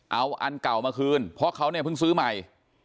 เอาอันเก่ามาคืนเพราะเขาเนี่ยเพิ่งซื้อใหม่